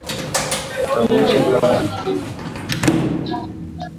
Ba mushi bana pendaka sana bukali bwa mooko